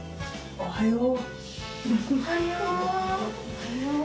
おはよう。